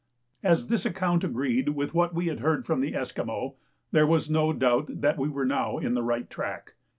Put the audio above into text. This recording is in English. As this account agreed with what we had heard from the Esquimaux, there was no doubt that we were now in the right track.